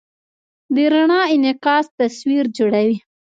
د رڼا انعکاس تصویر جوړوي.